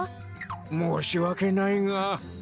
もうしわけないが。